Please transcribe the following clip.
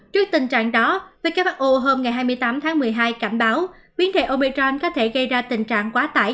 trước tình trạng đó who hôm ngày hai mươi tám tháng một mươi hai cảnh báo biến thể oberton có thể gây ra tình trạng quá tải